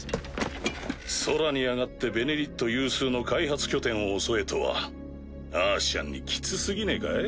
宇宙に上がって「ベネリット」有数の開発拠点を襲えとはアーシアンにきつすぎねぇかい？